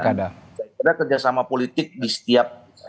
saya kira kerjasama politik di setiap